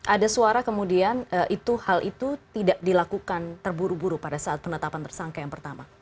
ada suara kemudian hal itu tidak dilakukan terburu buru pada saat penetapan tersangka yang pertama